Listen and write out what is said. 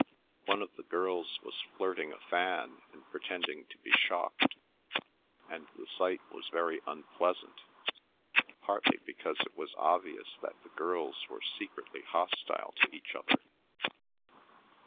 One of the girls was flirting a fan and pretending to be shocked, and the sight was very unpleasant, partly because it was obvious that the girls were secretly hostile to each other.